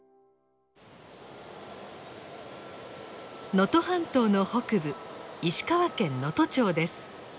能登半島の北部石川県能登町です。